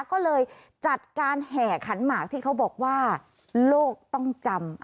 ก็เลยจัดการแห่ขันหมากที่เขาบอกว่าโลกต้องจำ